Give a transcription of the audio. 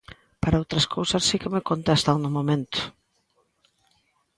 Para outras cousas si que me contestan no momento.